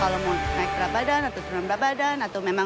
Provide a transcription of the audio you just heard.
และใส่ใจปัญหาสุขภาพของลูกค้าแต่ละคน